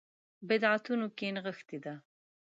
بدعتونو کې نغښې ده.